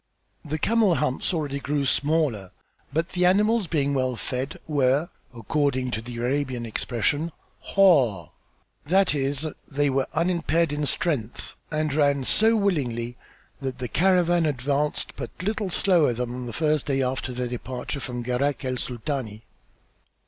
The camel humps already grew smaller but the animals, being well fed, were, according to the Arabian expression, "harde," that is, they were unimpaired in strength and ran so willingly that the caravan advanced but little slower than on the first day after their departure from Gharak el Sultani.